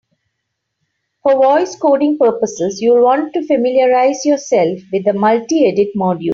For voice coding purposes, you'll want to familiarize yourself with the multiedit module.